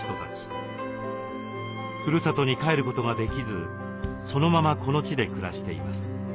ふるさとに帰ることができずそのままこの地で暮らしています。